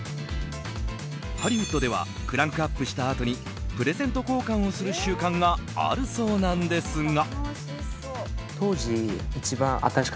ハリウッドではクランクアップしたあとにプレゼント交換をする習慣があるそうなんですが。